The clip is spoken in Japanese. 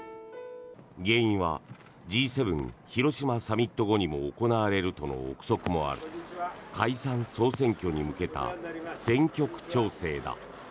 原因はＧ７広島サミット後にも行われるとの臆測がある解散・総選挙に向けた選挙区調整だ。